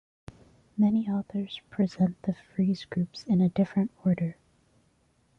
Many authors present the frieze groups in a different order.